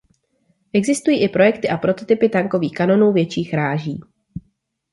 Existují i projekty a prototypy tankových kanónů větších ráží.